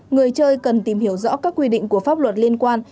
người chơi cần tìm hiểu rõ các quy định của pháp luật liên quan